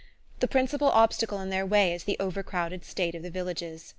The principal obstacle in their way is the over crowded state of the villages.